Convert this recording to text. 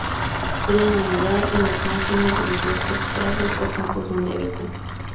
Suelen anidar en los márgenes de los bosques, prados o campos donde habitan.